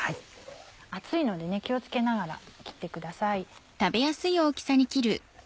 熱いので気を付けながら切ってください。